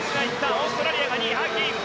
オーストラリアが２位。